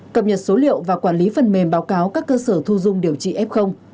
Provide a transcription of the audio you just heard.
cập nhật số liệu và quản lý phần mềm báo cáo các cơ sở thu dung điều trị f